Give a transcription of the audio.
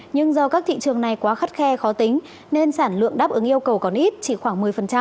nhưng do các thị trường này quá khắt khe khó tính nên sản lượng đáp ứng yêu cầu còn ít chỉ khoảng một mươi